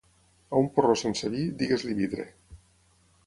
A un porró sense vi, digues-li vidre.